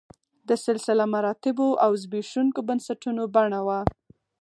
د سلسله مراتبو او زبېښونکو بنسټونو بڼه وه